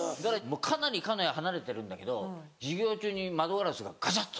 かなり鹿屋離れてるんだけど授業中に窓ガラスがガチャって。